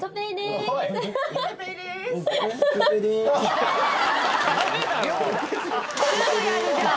すぐやるじゃん。